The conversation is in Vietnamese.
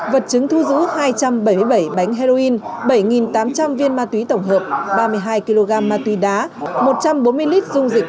vật chứng thu giữ hai trăm bảy mươi bảy bánh heroin bảy tám trăm linh viên ma túy tổng hợp ba mươi hai kg ma túy đá một trăm bốn mươi lít dung dịch